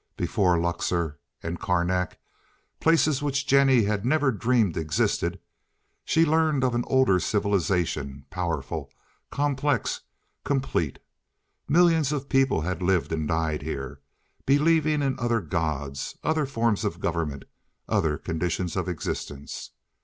Before Luxor and Karnak—places which Jennie had never dreamed existed—she learned of an older civilization, powerful, complex, complete. Millions of people had lived and died here, believing in other gods, other forms of government, other conditions of existence.